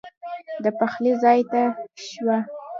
د پخلي ځای ته شوه.